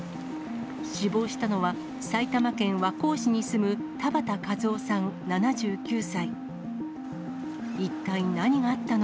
死亡したのは、埼玉県和光市に住む田畑和雄さん７９歳。